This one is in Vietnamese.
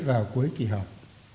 vào cuối kỳ học